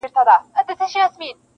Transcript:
د شته من په کور کي غم دوی ته مېله وه -